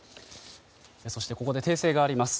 そしてここで訂正があります。